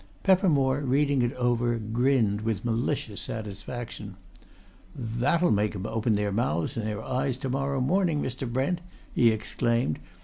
Peppermore, reading it over, grinned with malicious satisfaction. "That'll make 'em open their mouths and their eyes to morrow morning, Mr. Brent!" he exclaimed.